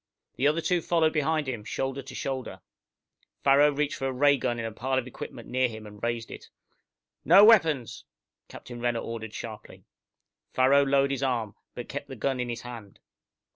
The other two followed behind him, shoulder to shoulder. Farrow reached for a ray gun in a pile of equipment near him, and raised it. "No weapons!" Captain Renner ordered sharply. Farrow lowered his arm, but kept the gun in his hand.